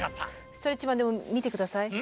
ストレッチマンでも見て下さい。